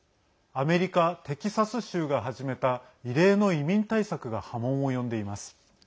アメリカ・テキサス州が始めた異例の移民対策が波紋を呼んでいます。